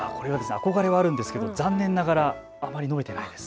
憧れはあるんですけど残念ながらあまり飲めてないです。